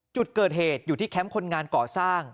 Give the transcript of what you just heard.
จุดเกิดเหตุอยู่ที่แคมป์คนงานก่อสร้าง